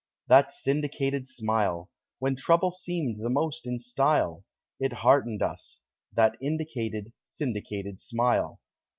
That syndicated smile! When trouble seemed the most in style, It heartened us That indicated, Syndicated Smile.